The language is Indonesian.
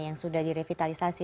yang sudah direvitalisasi